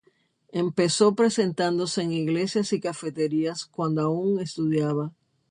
Empezó presentándose en iglesias y cafeterías cuando aún estudiaba.